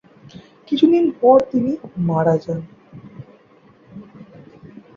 কিছুদিন পর তিনি মারা যান।